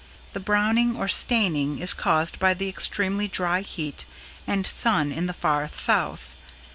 The browning or staining is caused by the extremely dry heat and sun in the far South.